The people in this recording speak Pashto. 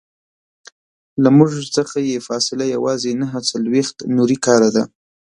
له موږ څخه یې فاصله یوازې نهه څلویښت نوري کاله ده.